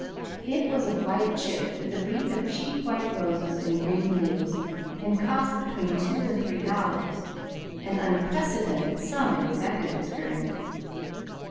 It was of white chip with a wreath of cheap white roses and green leaves, and cost between two and three dollars, an unprecedented sum in Rebecca's experience.